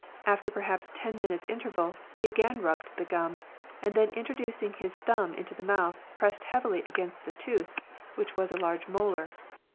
After perhaps ten minutes' interval, he again rubbed the gum, and then introducing his thumb into the mouth, pressed heavily against the tooth (which was a large molar).